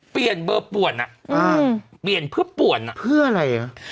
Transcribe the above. เปลี่ยนเพื่อป่วนอะเพื่ออะไรอะ